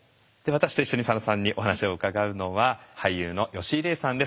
私と一緒に佐野さんにお話を伺うのは俳優の吉井怜さんです。